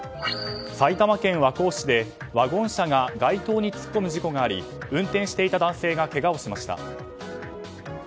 埼玉県和光市でワゴン車が街灯に突っ込む事故があり運転していた男性がけがをしました。